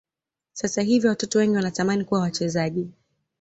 sasa hivi watoto wengi wanatamani kuwa wachezaji